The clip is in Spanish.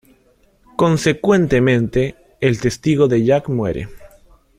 Consecuentemente, el testigo de Jack muere.